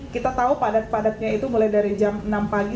kita tahu padat padatnya itu mulai dari jam enam pagi